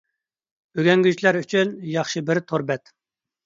ئۆگەنگۈچىلەر ئۈچۈن ياخشى بىر تور بەت.